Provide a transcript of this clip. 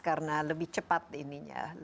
karena lebih cepat ini